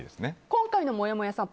今回のもやもやさん